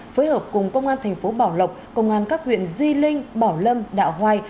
phối hợp cùng công an thành phố bảo lộc công an các huyện di linh bảo lâm đạo hoài